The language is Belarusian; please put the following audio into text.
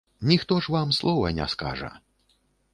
Ніхто ж вам слова не скажа!